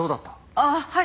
ああはい。